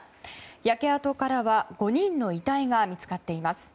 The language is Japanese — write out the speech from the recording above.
焼け跡からは５人の遺体が見つかっています。